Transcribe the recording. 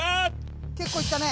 結構いったね。